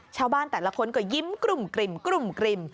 ชาวบ้านแต่ละคนก็ยิ้มกลุ่ม